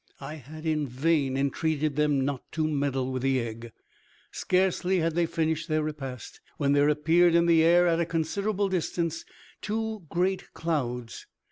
I had in vain entreated them not to meddle with the egg. Scarcely had they finished their repast, When there appeared in the air, at a considerable distance, two great clouds.